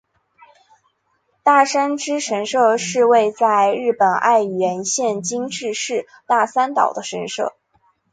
大山只神社是位在日本爱媛县今治市大三岛的神社。